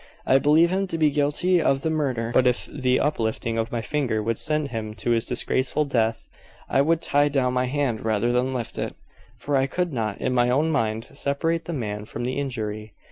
I believe him to be guilty of the murder but if the uplifting of my finger would send him to his disgraceful death, I would tie down my hand rather than lift it, for I could not, in my own mind, separate the man from the injury.